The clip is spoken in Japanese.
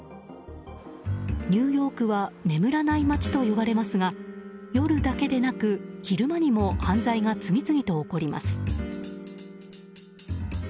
ニューヨークは眠らない街と呼ばれますが夜だけでなく昼間にも犯罪が次々と起こります。